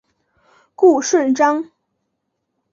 顾顺章。